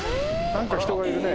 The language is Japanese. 何か人がいるね